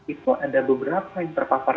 itu ada beberapa yang terpapar